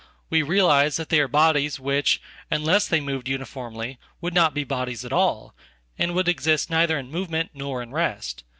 We realize that they are bodies which, unless they moved uniformly, would not be bodies at all, and would exist neither in movement nor in rest.